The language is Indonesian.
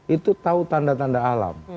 itu tahu tanda tanda alam